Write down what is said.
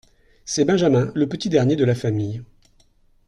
C'est Benjamin, le petit dernier de la famille.